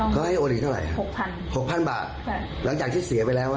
เขาให้โอนเงินเท่าไรครับ๖๐๐๐บาทหลังจากที่เสียไปแล้วนะ